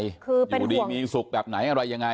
คืออยู่ดีมีสุขแบบไหนอะไรยังไง